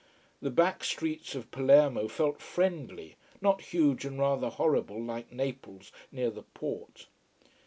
The back streets of Palermo felt friendly, not huge and rather horrible, like Naples near the port.